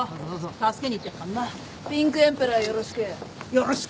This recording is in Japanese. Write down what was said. よろしく。